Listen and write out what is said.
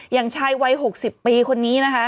อย่างชายวัย๖๐ปีคนนี้นะคะ